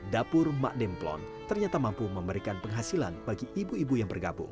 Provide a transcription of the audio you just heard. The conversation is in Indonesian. dapur mak demplon ternyata mampu memberikan penghasilan bagi ibu ibu yang bergabung